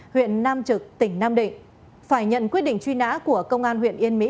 huyện nam trực tỉnh nam định phải nhận quyết định truy nã của công an huyện yên mỹ